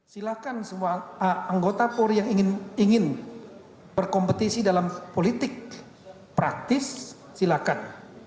silakan semua anggota polri yang ingin berkompetisi dalam politik praktis silakan